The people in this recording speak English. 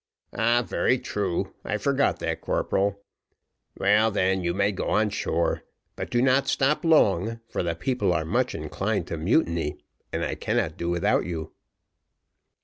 "Ah, very true, I forgot that, corporal. Well, then, you may go on shore; but do not stop long, for the people are much inclined to mutiny, and I cannot do without you."